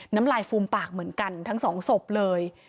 น้ำลายฟูมปากเหมือนกันทั้งสองศพเลย